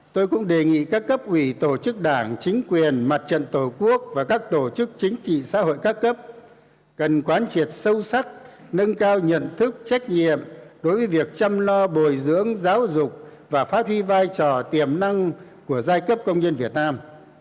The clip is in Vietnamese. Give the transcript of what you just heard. tôi cũng đề nghị các cấp ủy tổ chức đảng chính quyền mặt trận tổ quốc và các tổ chức chính trị xã hội các cấp cần quán triệt sâu sắc nâng cao nhận thức trách nhiệm đối với việc chăm lo bồi dưỡng giáo dục và phát huy vai trò tiềm năng của giai cấp công nhân việt nam